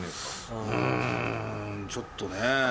うんちょっとね。